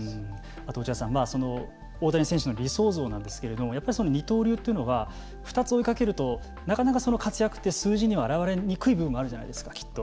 あと落合さん大谷選手の理想像なんですけれども二刀流というのは２つ追いかけるとなかなか活躍って数字には表れにくい部分があるじゃないですかきっと。